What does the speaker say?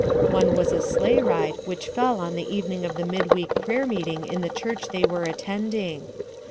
One was ft sleigh ride which fell on the evening of the mid week prayer meeting in the church they wore attending.